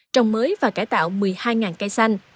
trồng mới và cải tạo một mươi hai cây xanh